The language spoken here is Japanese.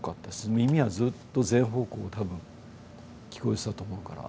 耳はずっと全方向多分聞こえてたと思うから。